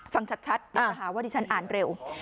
ฟังชัดวันนี้ฉันอ่านเร็ว